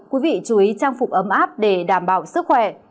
quý vị chú ý trang phục ấm áp để đảm bảo sức khỏe